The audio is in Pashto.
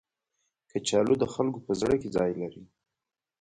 کچالو د خلکو په زړه کې ځای لري